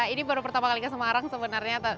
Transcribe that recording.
ini baru pertama kali ke semarang sebenarnya